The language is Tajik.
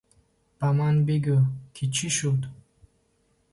Ба ман бигӯ, ки чӣ шуд.